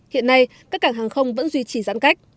hiện nay các cảng hàng không vẫn duy trì giãn cách